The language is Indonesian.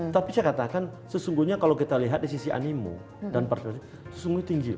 tapi saya katakan sesungguhnya kalau kita lihat di sisi animu dan partisipasi sesungguhnya tinggi